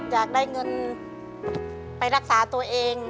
อยากได้เงินไปรักษาตัวเอง